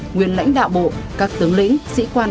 nguyên lãnh đạo bộ các tướng lĩnh sĩ quan